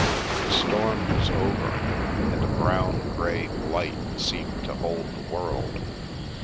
The storm was over, and a brown grey blight seemed to hold the world.